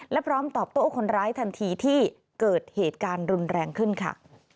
และพร้อมตอบโต้คนร้ายทันทีที่เกิดเหตุการณ์รุนแรงขึ้นค่ะ